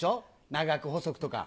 長く細くとか。